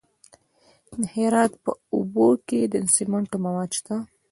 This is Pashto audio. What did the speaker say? د هرات په اوبې کې د سمنټو مواد شته.